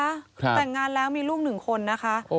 ลูกมีเมียนะคะแต่งงานแล้วมีลูกหนึ่งคนนะคะ